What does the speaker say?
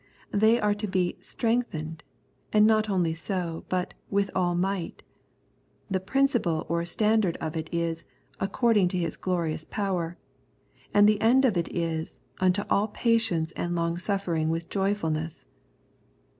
They are to be " strengthened," and not only so, but " with all might." The principle or standard of it is " according to His glorious power," and the end of it is " unto all patience and longsuffering with joyfulness."